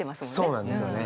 そうなんですよね。